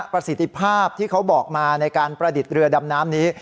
ประสิทธิภาพที่เขาบอกมาในการประดิษฐ์เรือดำน้ำนี้